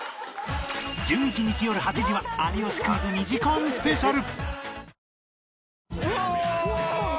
１１日よる８時は『有吉クイズ』２時間スペシャル